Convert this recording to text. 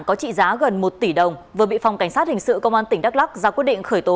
có trị giá gần một tỷ đồng vừa bị phòng cảnh sát hình sự công an tỉnh đắk lắc ra quyết định khởi tố